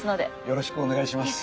よろしくお願いします。